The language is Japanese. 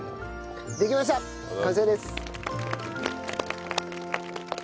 できました完成です。